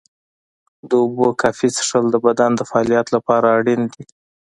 د اوبو کافي څښل د بدن د فعالیت لپاره اړین دي.